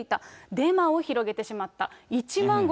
デマを広げてしまった。